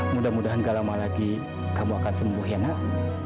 mudah mudahan gak lama lagi kamu akan sembuh ya nak